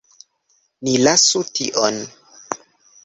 Ni lasu tion.